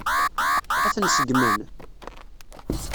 Ad ten-seggmen?